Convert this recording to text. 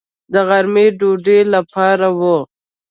د غرمې ډوډۍ لپاره و.